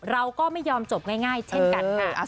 เราก็ไม่ยอมจบง่ายเช่นกันค่ะ